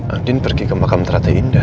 andin pergi ke makam terate indah